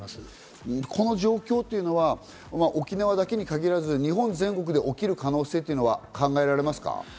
この状況というのは沖縄だけに限らず日本全国で起きる可能性っていうのは考えられますか。